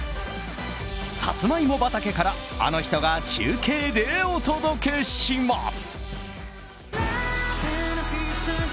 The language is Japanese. サツマイモ畑からあの人が中継でお届けします。